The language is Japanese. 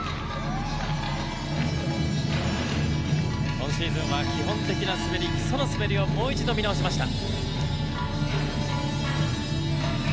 今シーズンは基本的な滑り基礎の滑りをもう一度見直しました。